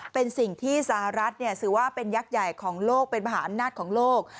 เป็นสิ่งที่สหรัฐถือว่าเป็นยักษ์ใหญ่ของโลกเป็นมหาอำนาจของโลก